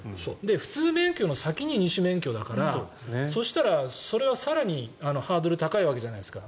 普通免許の先に二種免許だからそしたら、それは更にハードルが高いわけじゃないですか。